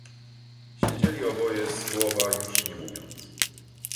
"Siedzieli oboje słowa już nie mówiąc."